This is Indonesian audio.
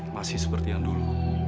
masih seperti yang dulu